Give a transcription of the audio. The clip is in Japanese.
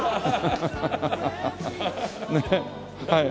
ねえはい。